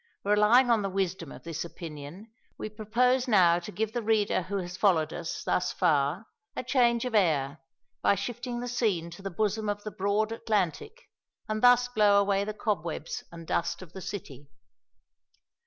Relying on the wisdom of this opinion, we propose now to give the reader who has followed us thus far a change of air by shifting the scene to the bosom of the broad Atlantic and thus blow away the cobwebs and dust of the city.